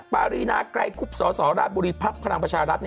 ปารีนาไกลคุบสสรบุรีภัพธ์พระรามประชารัฐ